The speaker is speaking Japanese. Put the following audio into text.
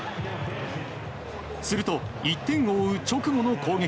すると１点を追う直後の攻撃。